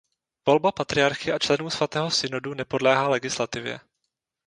Volba patriarchy a členů svatého synodu nepodléhá legislativě.